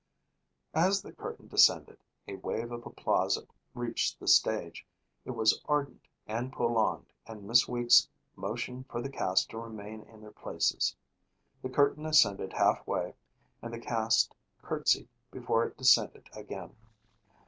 As the curtain descended, a wave of applause reached the stage. It was ardent and prolonged and Miss Weeks motioned for the cast to remain in their places. The curtain ascended half way and the cast curtsied before it descended again.